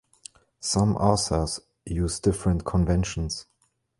Some authors use different conventions.